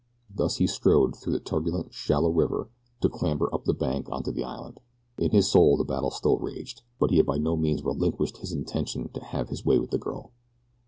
Thus he strode through the turbulent, shallow river to clamber up the bank onto the island. In his soul the battle still raged, but he had by no means relinquished his intention to have his way with the girl.